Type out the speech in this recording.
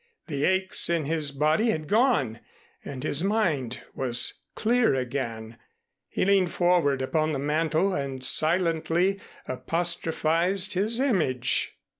The aches in his body had gone and his mind was clear again. He leaned forward upon the mantel and silently apostrophized his image.